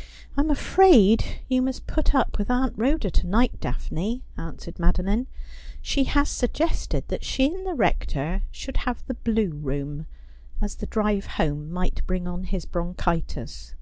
' I'm afraid you must put up with Aunt Rhoda to night, Daphne,' answered Madoline. ' She has suggested that she and the Rector should have the Blue Room, as the drive home might bring on his bronchitis.'